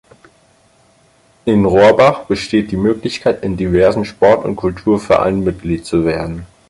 In Rohrbach besteht die Möglichkeit in diversen Sport- und Kulturvereinen Mitglied zu werden.